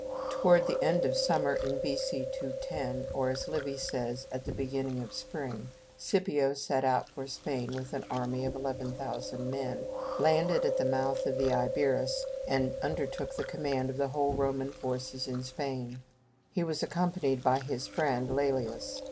Toward the end of the summer, in B.C. 210, or, as Livy says, at the beginning of spring, Scipio set out for Spain with an army of 11,000 men, landed at the mouth of the Iberus, and undertook the command of the whole Roman forces in Spain. He was accompanied by his friend, Lælius.